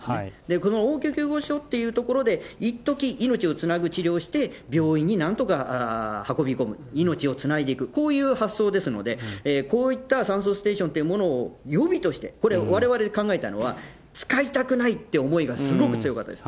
この応急救護所という所で、一時命をつなぐ治療をして、病院になんとか運び込む、命をつないでいく、こういう発想ですので、こういった酸素ステーションというものを予備として、これ、われわれで考えたのは、使いたくないっていう思いがすごく強かったです。